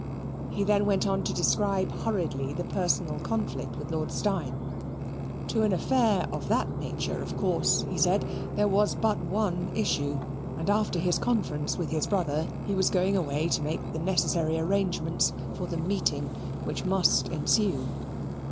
He then went on to describe hurriedly the personal conflict with Lord Steyne. To an affair of that nature, of course, he said, there was but one issue, and after his conference with his brother, he was going away to make the necessary arrangements for the meeting which must ensue.